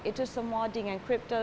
itu semua dengan kripto